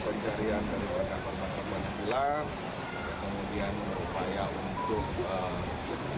kemudian merupakan untuk